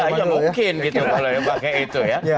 iya ya mungkin gitu kalau dipakai itu ya